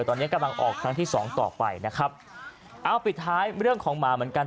ตอนนี้กำลังออกครั้งที่สองต่อไปนะครับเอาปิดท้ายเรื่องของหมาเหมือนกัน